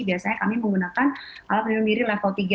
biasanya kami menggunakan alat pelindung diri level tiga